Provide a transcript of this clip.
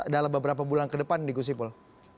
dalam beberapa bulan ke depan nih gus ipul